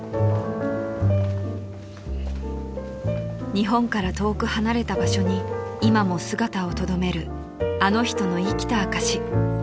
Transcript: ［日本から遠く離れた場所に今も姿をとどめるあの人の生きた証し］